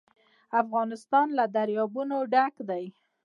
افغانستان له دریابونه ډک دی.